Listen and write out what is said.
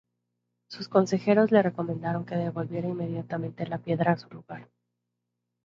Sus consejeros le recomendaron que devolviera inmediatamente la piedra a su lugar.